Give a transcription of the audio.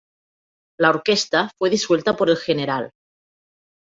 La Orquesta fue disuelta por el Gral.